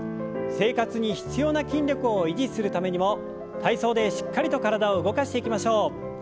生活に必要な筋力を維持するためにも体操でしっかりと体を動かしていきましょう。